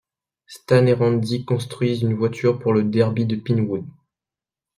Stan et Randy construisent une voiture pour le Derby de Pinewood.